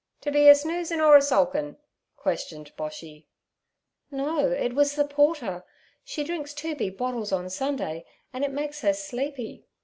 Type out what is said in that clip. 'To be a snoozin' or a sulkin'?' questioned Boshy. 'No; it was the porter. She drinks two big bottles on Sunday, and it makes her sleepy.